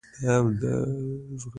دیوي شیبي نظر دوره دچاکه